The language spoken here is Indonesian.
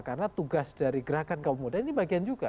karena tugas dari gerakan kaum muda ini bagian juga